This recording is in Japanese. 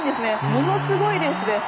ものすごいレースです。